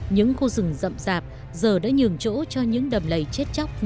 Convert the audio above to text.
những khu rừng rậm rạp giờ đã nhường chỗ cho những đầm lầy chết chóc